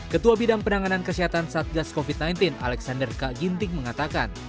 ketua bidang penanganan kesehatan satgas covid sembilan belas alexander k ginting mengatakan